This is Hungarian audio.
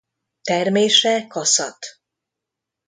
Termése kaszat.